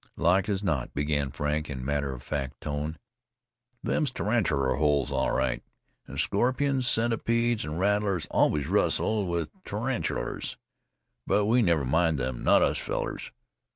"Like as not," began Frank in matter of fact tone. "Them's tarantuler holes all right. An' scorpions, centipedes an' rattlers always rustle with tarantulers. But we never mind them not us fellers!